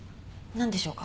何でしょうか？